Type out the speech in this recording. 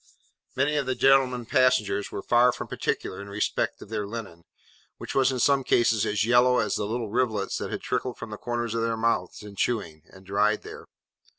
Many of the gentlemen passengers were far from particular in respect of their linen, which was in some cases as yellow as the little rivulets that had trickled from the corners of their mouths in chewing, and dried there.